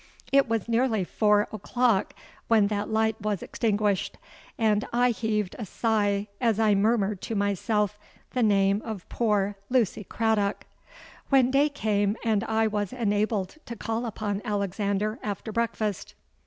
It was nearly four o'clock when that light was extinguished; and I heaved a sigh as I murmured to myself the name of poor Lucy Craddock! When day came, and I was enabled to call upon Alexander after breakfast.